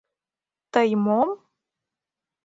— Тый мом?!